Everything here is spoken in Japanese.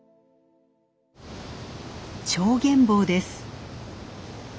チョウゲンボウです。